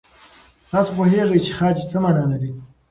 تاسو پوهېږئ چې خج څه مانا لري؟